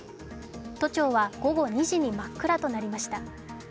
都庁は午後２時に真っ暗となりました。